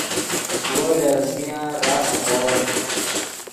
وو لے ریسیان راست نیغوڑ